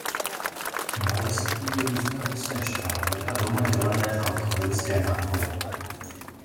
Dále se pijí různé ovocné šťávy a doma dělené alkoholické nápoje.